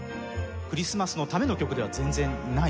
クリスマスのための曲では全然ない。